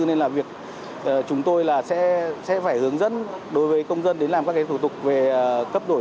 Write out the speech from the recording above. nên là việc chúng tôi là sẽ phải hướng dẫn đối với công dân đến làm các thủ tục về cấp đổi